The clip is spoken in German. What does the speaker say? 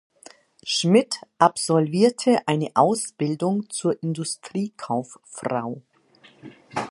Schmidt absolvierte eine Ausbildung zur Industriekauffrau.